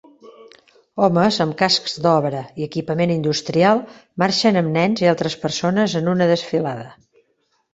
Homes amb cascs d'obra i equipament industrial marxen amb nens i altres persones en una desfilada.